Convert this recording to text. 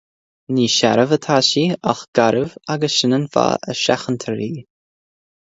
Ní searbh atá sí ach garbh agus sin an fáth a seachantar í